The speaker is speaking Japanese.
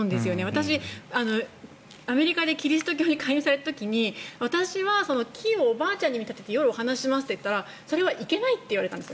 私、アメリカでキリスト教に勧誘された時に私は木をおばあちゃんに見立ててお話ししますといったらそれはいけないと言われたんです。